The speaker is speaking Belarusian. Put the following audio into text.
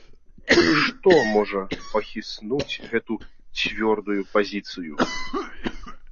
Што можа пахіснуць гэтую цвёрдую пазіцыю?